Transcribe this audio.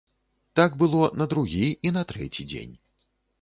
Так было на другі і на трэці дзень.